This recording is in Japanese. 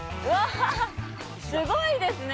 ハハすごいですね